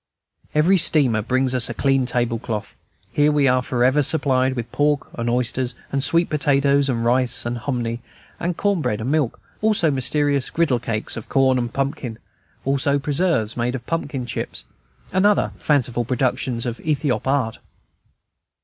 Every steamer brings us a clean table cloth. Here are we forever supplied with pork and oysters and sweet potatoes and rice and hominy and corn bread and milk; also mysterious griddle cakes of corn and pumpkin; also preserves made of pumpkin chips, and other fanciful productions of Ethiop art.